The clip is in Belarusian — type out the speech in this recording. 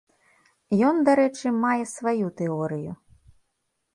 Ён, дарэчы, мае сваю тэорыю.